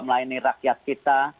melayani rakyat kita